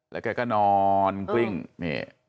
แล้วแกก็นอนกลิ้งนี่